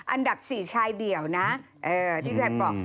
อันดับ๔ชายเดี่ยวนะที่แพทย์บอก